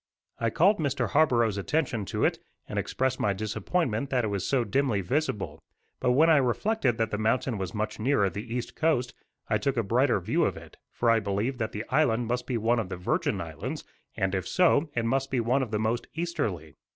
I called Mr. Scarborough's attention to it, and expressed my disappointment that it was so dimly visible; but when I reflected that the mountain was much nearer the east coast, I took a brighter view of it, for I believed that the island must be one of the Virgin Islands; and, if so, it must be one of the most easterly.